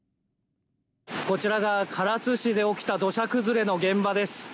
こちらが唐津市で起きた土砂崩れの現場です。